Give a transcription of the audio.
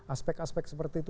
aspek aspek seperti itu